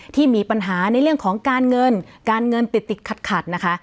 ที่มีปัญหาในเรื่องของการเงินการเงินติดติดขัดนะคะ